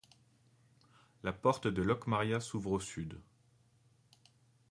La porte de Locmaria s'ouvre au sud.